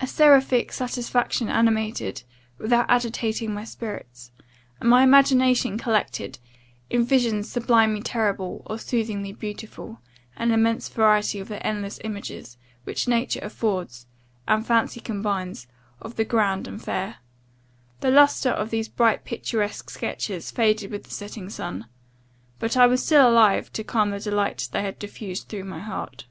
A seraphic satisfaction animated, without agitating my spirits; and my imagination collected, in visions sublimely terrible, or soothingly beautiful, an immense variety of the endless images, which nature affords, and fancy combines, of the grand and fair. The lustre of these bright picturesque sketches faded with the setting sun; but I was still alive to the calm delight they had diffused through my heart.